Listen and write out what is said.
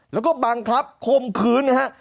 แล้วก็บังคับคมคืนนะฮะ